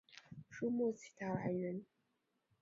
书目其它来源